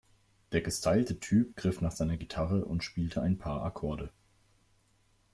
Der gestylte Typ griff nach seiner Gitarre und spielte ein paar Akkorde.